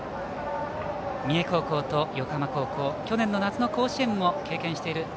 三重高校と横浜高校去年の夏の甲子園も経験している